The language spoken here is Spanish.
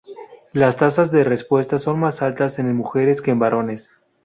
Las tasas de respuesta son más altas en mujeres que en varones.